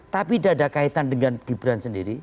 tapi tidak ada kaitan dengan gibran sendiri